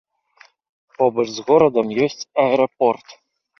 Побач з горадам ёсць аэрапорт.